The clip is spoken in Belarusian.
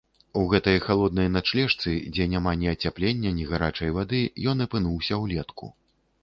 У гэтай халоднай начлежцы, дзе няма ні ацяплення, ні гарачай вады, ён апынуўся ўлетку.